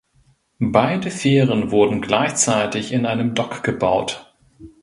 Beide Fähren wurden gleichzeitig in einem Dock gebaut.